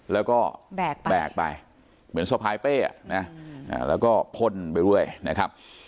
แล้วก็แบกไปเหมือนสะพายเป้นะแล้วก็พ่นไปเรื่อยนะครับ